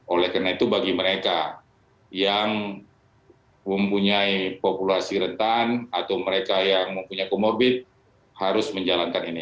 oleh karena itu bagi mereka yang mempunyai populasi rentan atau mereka yang mempunyai comobit harus menjalankan ini